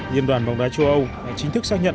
liên đoàn bóng đá châu âu đã chính thức xác nhận